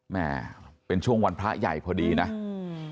แม่เป็นช่วงวันพระใหญ่พอดีนะอืม